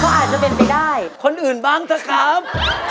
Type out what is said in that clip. ก็อาจจะเป็นไม่ได้คนอื่นบ้างซะครับ